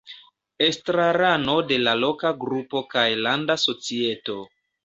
Estrarano de la loka grupo kaj landa societo.